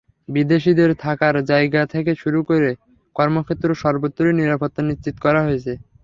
বিদেশিদের থাকার জায়গা থেকে শুরু করে কর্মক্ষেত্র সর্বত্রই নিরাপত্তা নিশ্চিত করা হয়েছে।